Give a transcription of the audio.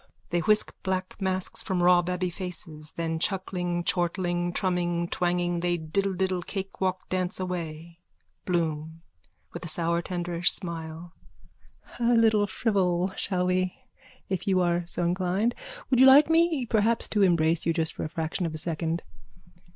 _(They whisk black masks from raw babby faces: then, chuckling, chortling, trumming, twanging, they diddle diddle cakewalk dance away.)_ BLOOM: (With a sour tenderish smile.) A little frivol, shall we, if you are so inclined? Would you like me perhaps to embrace you just for a fraction of a second?